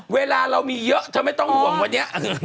เวลาเรามีเยอะเธอไม่ต้องห่วงวันนี้